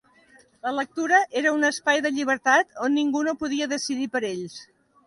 La lectura era un espai de llibertat on ningú no podia decidir per ells.